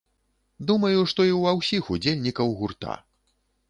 Думаю, што і ўва ўсіх удзельнікаў гурта.